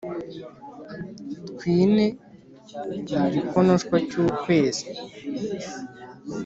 twine mu gikonoshwa cy'ukwezi,